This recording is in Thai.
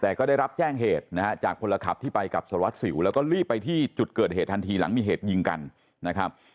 แต่ก็ได้รับแจ้งเหตุนะฮะจากพลขับที่ไปกับสารวัสสิวแล้วก็รีบไปที่จุดเกิดเหตุทันทีหลังมีเหตุยิงกันนะครับ